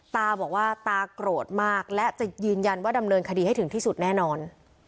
ตาบอกว่าตาโกรธมากและจะยืนยันว่าดำเนินคดีให้ถึงที่สุดแน่นอน